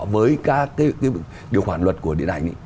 với các cái điều khoản luật của điện ảnh